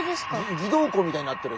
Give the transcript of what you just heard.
偽瞳孔みたいになってる。